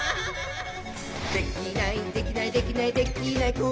「できないできないできないできない子いないか」